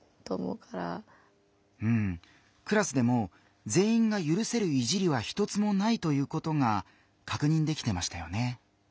クラスでもぜんいんがゆるせる「いじり」は一つもないということがかくにんできてましたよね。